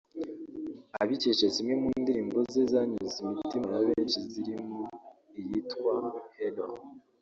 abikesha zimwe mu ndirimbo ze zanyuze imitima ya benshi zirimo iyitwa “Hello”